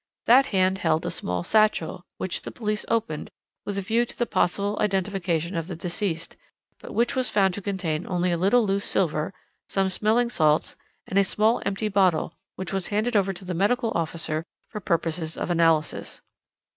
That hand held a small satchel, which the police opened, with a view to the possible identification of the deceased, but which was found to contain only a little loose silver, some smelling salts, and a small empty bottle, which was handed over to the medical officer for purposes of analysis.